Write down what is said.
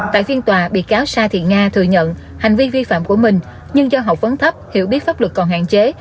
tại phiên tòa bị cáo sa thị nga thừa nhận hành vi vi phạm của mình nhưng do học vấn thấp hiểu biết pháp luật còn hạn chế